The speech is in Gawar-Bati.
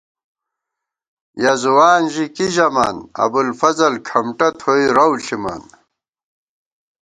یَہ ځوان ژی کی ژَمان ابوالفضل کھمٹہ تھوئی رَو ݪِمان